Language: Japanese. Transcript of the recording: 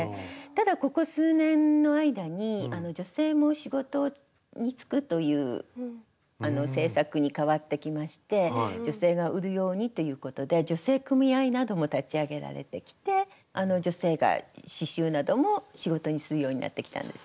ただここ数年の間に女性も仕事に就くという政策に変わってきまして女性が売るようにということで女性組合なども立ち上げられてきて女性が刺しゅうなども仕事にするようになってきたんです。